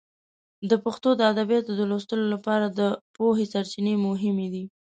د پښتو د ادبیاتو د لوستلو لپاره د پوهې سرچینې مهمې دي.